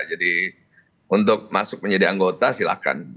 jadi untuk masuk menjadi anggota silahkan